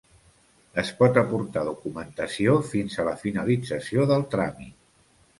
Es pot aportar documentació fins a la finalització del tràmit.